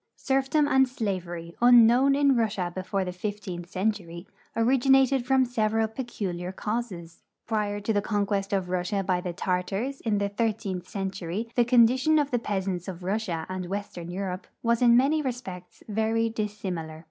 Serfdom and slavery, unknown in Russia before the fifteenth century, originated from several i)eculiar causes. Prior to the conquest of Russia by the Tartars, in the thirteenth century, the condition of the peasants of Russia and western Europe was in many respects very dissimilar.